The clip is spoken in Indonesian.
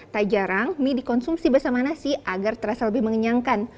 tak jarang mie dikonsumsi bersama nasi agar terasa lebih mengenyangkan